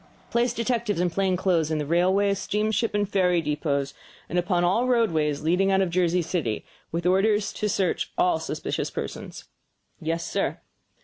"Place detectives in plain clothes in the railway; steamship, and ferry depots, and upon all roadways leading out of Jersey City, with orders to search all suspicious persons." "Yes, sir."